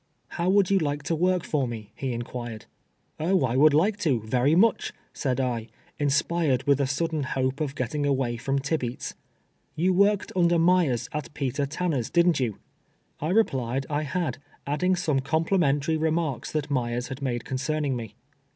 How would you like to work for me V he in quired. " Oh, I would like to, very much," said I, inspired ■with a sudden hope of getting away from Tibeats. " You worked uiuler Myers at Peter Tanner's, didn't you ?" I re])lied I had, adding some coinplimentary re marks that Myers had nuide concerning me.